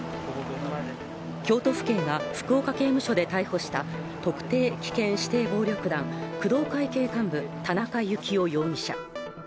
京都府警が福岡刑務所で逮捕した特定危険指定暴力団・工藤会系幹部田中幸雄容疑者。